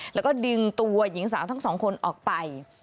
แล้วก็ดึงตัวหญิงสาวทั้งสองคนออกไป